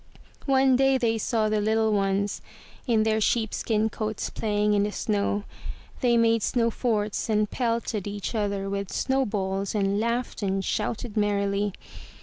One day they saw the little ones in their sheep skin coats playing in the snow. They made snow forts and pelted each other with snowballs and laughed and shouted merrily.